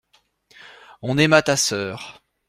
On aima ta sœur.